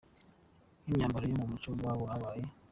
K’imyambaro yo mu muco w’iwabo Yabaye.